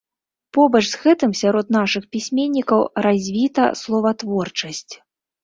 Побач з гэтым сярод нашых пісьменнікаў развіта словатворчасць.